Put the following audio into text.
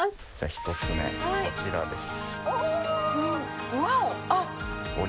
１つ目、こちらです。